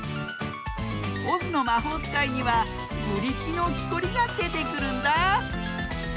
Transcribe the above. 「オズのまほうつかい」にはブリキのきこりがでてくるんだ。